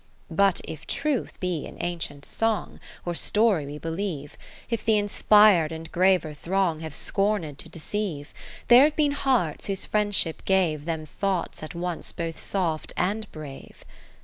in But if truth be in ancient song, Or story we believe, If the inspir'd and graver throng Have scorned to deceive ; There have been hearts whose friendship gave Them thoughts at once both soft and brave.